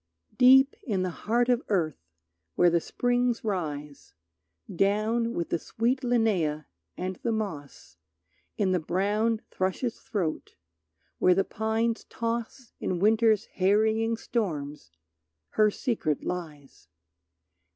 Deep in the heart of earth where the springs rise, Down with the sweet linnæa and the moss, In the brown thrush's throat, where the pines toss In Winter's harrying storms her secret lies.